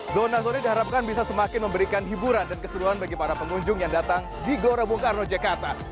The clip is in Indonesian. zona zonet diharapkan bisa semakin memberikan hiburan dan keseruan bagi para pengunjung yang datang di gorobong karnojekata